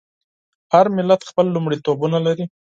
هر ملت خپل لومړیتوبونه لري.